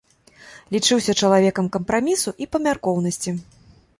Лічыўся чалавекам кампрамісу і памяркоўнасці.